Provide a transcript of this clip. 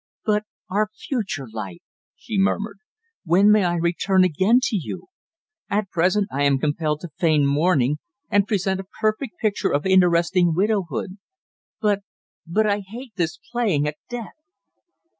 "But our future life?" she murmured. "When may I return again to you? At present I am compelled to feign mourning, and present a perfect picture of interesting widowhood; but but I hate this playing at death."